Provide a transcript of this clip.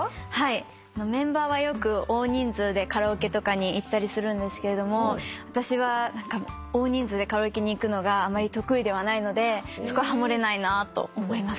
メンバーはよく大人数でカラオケとかに行ったりするんですけれども私は大人数でカラオケに行くのがあまり得意ではないのでそこハモれないなーと思いますね。